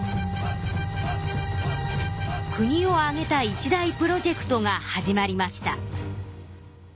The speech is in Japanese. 国を挙げた一大プロジェクトが始まりました。